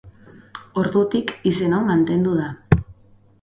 Ordutik, izen hau mantendu da.